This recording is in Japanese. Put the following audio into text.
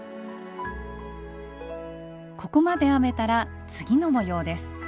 ここまで編めたら次の模様です。